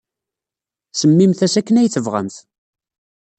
Semmimt-as akken ay tebɣamt.